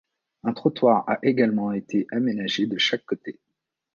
Un trottoir a également été aménagé de chaque côté.